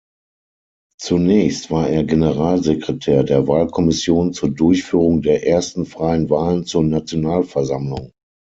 Zunächst war er Generalsekretär der Wahlkommission zur Durchführung der ersten freien Wahlen zur Nationalversammlung.